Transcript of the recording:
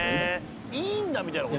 いいんだみたいな事？